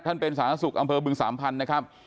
เป็นสาธารณสุขอำเภอบึงสามพันธุ์นะครับ